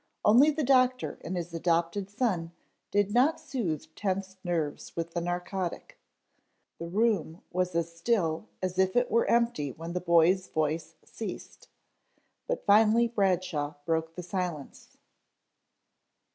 Only the doctor and his adopted son did not soothe tensed nerves with the narcotic. The room was as still as if it were empty when the boy's voice ceased, but finally Bradshaw broke the silence.